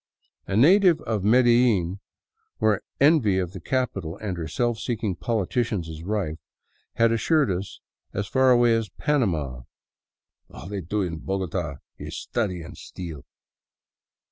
A native of Medellin, where envy of the capital and her self seeking politicians is rife, had assured us as far away as Panama: "All they do in Bogota is study and steal."